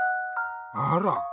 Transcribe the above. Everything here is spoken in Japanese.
あら。